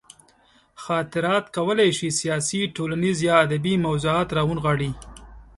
خاطرات کولی شي سیاسي، ټولنیز یا ادبي موضوعات راونغاړي.